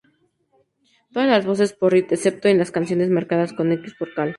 Todas las voces por Reed excepto en las canciones marcadas con x por Cale.